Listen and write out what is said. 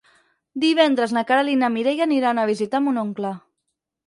Divendres na Queralt i na Mireia aniran a visitar mon oncle.